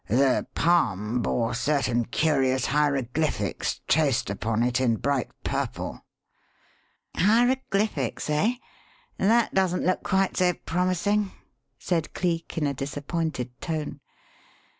"The palm bore certain curious hieroglyphics traced upon it in bright purple." "Hieroglyphics, eh? That doesn't look quite so promising," said Cleek in a disappointed tone.